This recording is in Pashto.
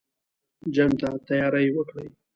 جنګ ته تیاری وکړی.